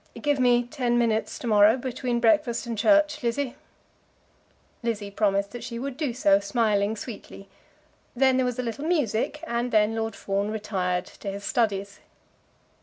"Give me ten minutes to morrow between breakfast and church, Lizzie." Lizzie promised that she would do so, smiling sweetly. Then there was a little music, and then Lord Fawn retired to his studies.